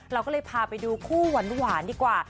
เราก็เลยพาไปดูคู่หวานดีกว่า